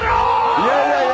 いやいやいや。